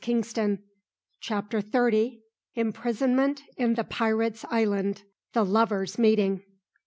Kingston CHAPTER THIRTY. IMPRISONMENT IN THE PIRATES' ISLAND THE LOVERS' MEETING.